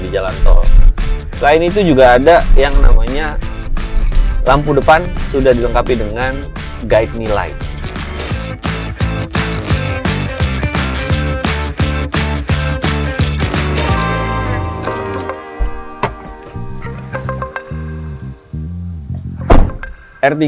di jalan tol selain itu juga ada yang namanya lampu depan sudah dilengkapi dengan guide me light